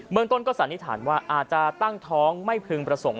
เมืองต้นก็สันนิษฐานว่าอาจจะตั้งท้องไม่พึงประสงค์